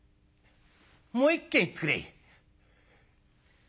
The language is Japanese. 「もう一軒行ってくれ」。